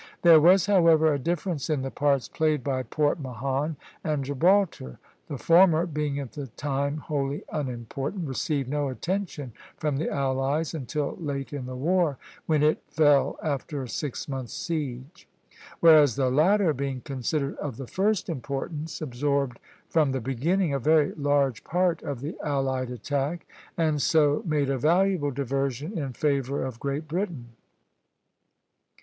There was, however, a difference in the parts played by Port Mahon and Gibraltar. The former, being at the time wholly unimportant, received no attention from the allies until late in the war, when it fell after a six months' siege; whereas the latter, being considered of the first importance, absorbed from the beginning a very large part of the allied attack, and so made a valuable diversion in favor of Great Britain.